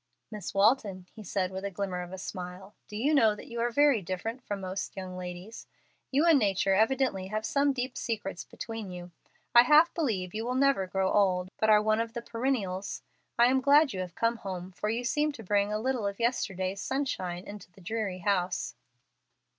"Miss Walton," he said, with a glimmer of a smile, "do you know that you are very different from most young ladies? You and nature evidently have some deep secrets between you. I half believe you never will grow old, but are one of the perennials. I am glad you have come home, for you seem to bring a little of yesterday's sunshine into the dreary house."